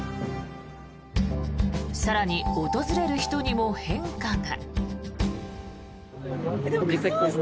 更に訪れる人にも変化が。